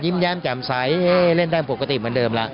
ยิ้มแย้มแจ่มใสเล่นด้านปกติแบบเดิมแล้ว